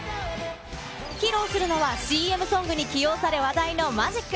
披露するのは、ＣＭソングに起用され、話題のＭａｇｉｃ。